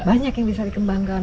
banyak yang bisa dikembangkan